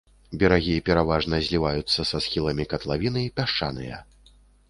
Берагі пераважна зліваюцца са схіламі катлавіны, пясчаныя.